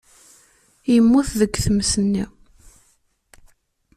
Yemmut deg tmes-nni.